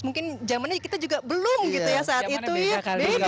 mungkin zamannya kita juga belum gitu ya saat itu ya